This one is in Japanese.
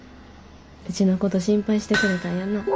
うちのこと心配してくれたんやな。